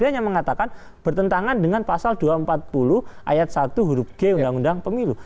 dia hanya mengatakan bertentangan dengan pasal dua ratus empat puluh ayat satu huruf g undang undang pemilu